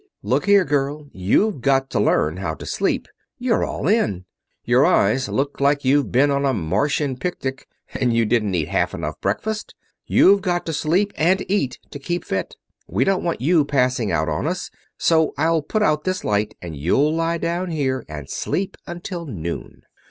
"Look here, girl; you've got to learn how to sleep. You're all in. Your eyes look like you've been on a Martian picnic and you didn't eat half enough breakfast. You've got to sleep and eat to keep fit. We don't want you passing out on us, so I'll put out this light, and you'll lie down here and sleep until noon."